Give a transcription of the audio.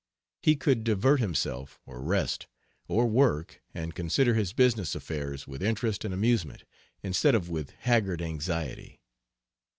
He could divert himself, or rest, or work, and consider his business affairs with interest and amusement, instead of with haggard anxiety.